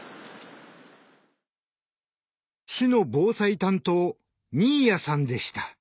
市の防災担当新谷さんでした。